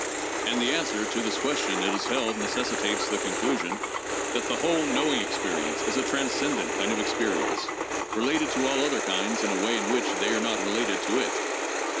And the answer to this question, it is held, neces sitates the conclusion that ' the whole knowing experience is a trans cendent kind of experience, related to all other kinds in a way in which they are not related to it' (p.